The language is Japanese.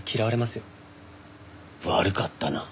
悪かったな。